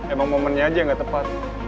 emang momennya aja yang gak tepat